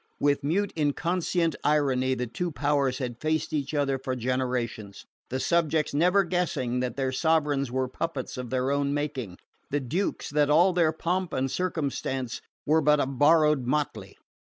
With mute inconscient irony the two powers had faced each other for generations: the subjects never guessing that their sovereigns were puppets of their own making, the Dukes that all their pomp and circumstance were but a borrowed motley.